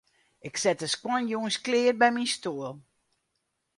Ik set de skuon jûns klear by myn stoel.